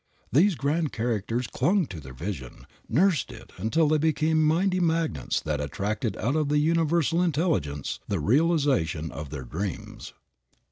These grand characters clung to their vision, nursed it until they became mighty magnets that attracted out of the universal intelligence the realization of their dreams.